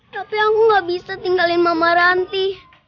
tapi aku gak bisa tinggalin mama ranti